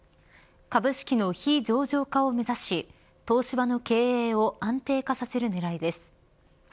株式の非上場化を目指し東芝の経営を安定化させる狙いです。